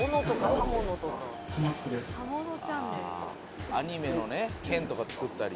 「刃物チャンネル」「アニメのね剣とか作ったり」